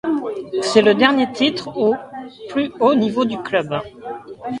C'est le dernier titre au plus haut niveau du club.